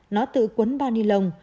nó tự quấn bao ni lông